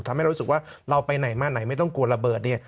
ทำให้เรารู้สึกว่าเราไปไหนมาไหนไม่ต้องกลัวระเบิดเนี่ย